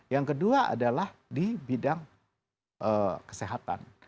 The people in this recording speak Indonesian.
yang kedua adalah di bidang kesehatan